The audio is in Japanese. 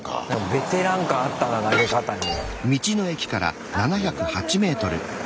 ベテラン感あったな投げ方に。